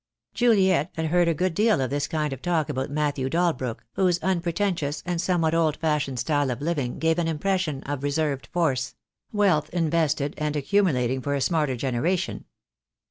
Juliet had heard a good deal of this kind of talk about Matthew Dalbrook, whose unpretentious and somewhat old fashioned style of living gave an impression of reserved force — wealth invested and accumulating for a smarter generation.